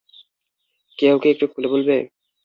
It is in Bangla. কেউ কি একটু খুলে বলবে?